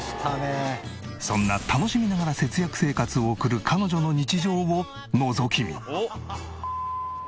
そんな楽しみながら節約生活を送る彼女の日常をのぞき見。